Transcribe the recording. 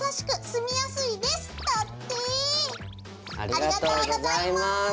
ありがとうございます。